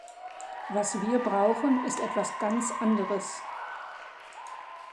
Was wir brauchen, ist etwas ganz anderes.